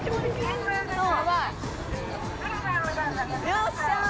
よっしゃ！